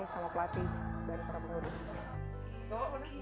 sama pelatih dan para penghudung